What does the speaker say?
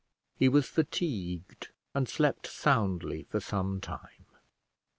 He was fatigued, and slept soundly for some time.